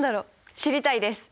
知りたいです。